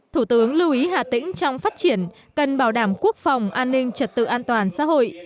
thủ tướng lưu ý hà tĩnh trong phát triển cần bảo đảm quốc phòng an ninh trật tự an toàn xã hội